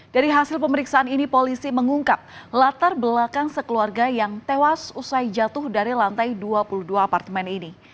dari hasil pemeriksaan ini polisi mengungkap latar belakang sekeluarga yang tewas usai jatuh dari lantai dua puluh dua apartemen ini